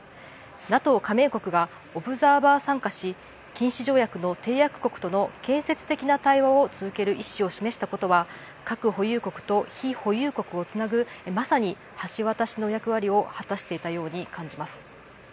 ＮＡＴＯ加盟国がオブザーバー参加し禁止条約の締約国との建設的な対話を続ける意思を示したことは核保有国と非保有国をつなぐまさに橋渡しの役割を果たしていたように感じます。